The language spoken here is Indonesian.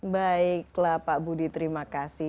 baiklah pak budi terima kasih